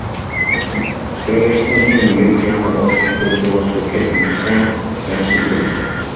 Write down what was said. بىر ياشتىن كېيىن مېۋە قىيامىغا ئوخشاش بولكىغا سۈركەپ يېگۈزسە ياخشى بولىدۇ.